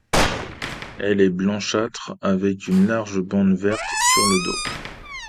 Elle est blanchâtre avec une large bande verte sur le dos.